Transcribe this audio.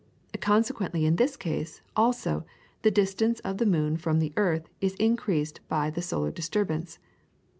Consequently in this case, also, the distance of the moon from the earth is increased by the solar disturbance.